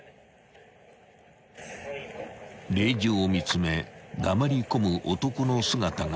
［令状を見つめ黙り込む男の姿がそこにあった］